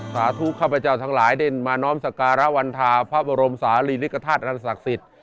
สาธุข้าพเจ้าช้างหลายดึงมาน้อมสกรวรรธาภพรมศาฬิริกทาตุอันศักดิ์สิต